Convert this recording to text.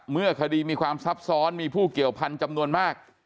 เมื่อคดีมีความซับซ้อนมีผู้เกี่ยวพันธุ์จำนวนมาก